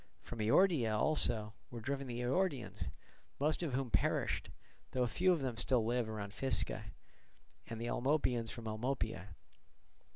From Eordia also were driven the Eordians, most of whom perished, though a few of them still live round Physca, and the Almopians from Almopia.